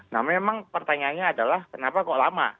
nah memang pertanyaannya adalah kenapa kok lama